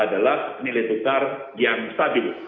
adalah nilai tukar yang stabil